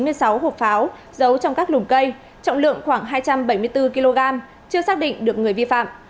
giấu trong các lùm cây trọng lượng khoảng hai trăm bảy mươi bốn kg chưa xác định được người vi phạm